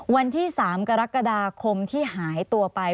วันที่๓กรกฎาคมที่หายตัวไป